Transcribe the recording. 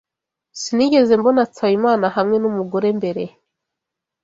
Sinigeze mbona Nsabimana hamwe numugore mbere.